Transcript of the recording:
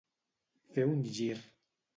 Fer un gir.